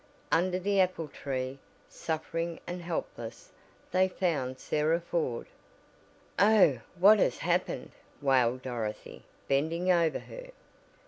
Under the apple tree, suffering and helpless, they found Sarah Ford. "Oh, what has happened!" wailed Dorothy, bending over her.